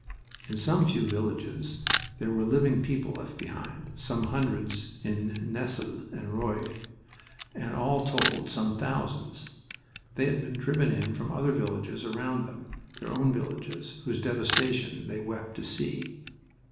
In some few villages there were living people left behind, some hundreds in Nesle and Roye, and, all told, some thousands. They had been driven in from the other villages burning around them, their own villages, whose devastation they wept to see.